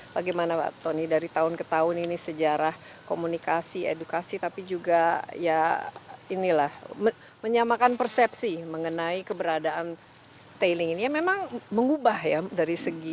bagaimana pak tony dari tahun ke tahun ini sejarah komunikasi edukasi tapi juga ya inilah menyamakan persepsi mengenai keberadaan tailing ini ya memang mengubah ya dari segi